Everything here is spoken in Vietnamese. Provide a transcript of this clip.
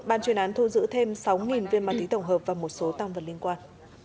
ban chuyên án thu giữ thêm sáu viên ma túy tổng hợp và một số tăng vật liên quan